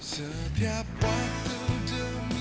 setiap waktu cemit